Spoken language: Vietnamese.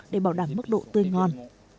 để bảo đảm mức độ tươi ngon